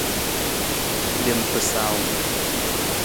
Lem pasaawung.